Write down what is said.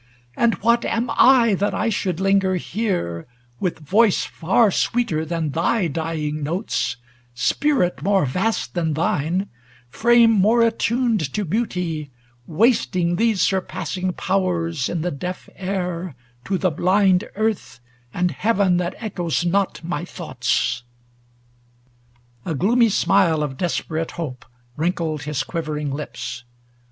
And what am I that I should linger here, With voice far sweeter than thy dying notes, Spirit more vast than thine, frame more attuned To beauty, wasting these surpassing powers (n the deaf air, to the blind earth, and beavea That echoes not my thoughts ?' A gloomy smile 290 Of desperate hope wrinkled his quivering lijjs.